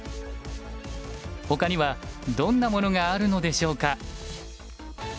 他にはどんなものがあるのでしょうか。